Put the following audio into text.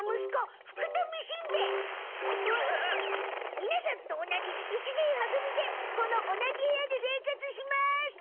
みなさんと同じ一年は組でこの同じ部屋で生活します！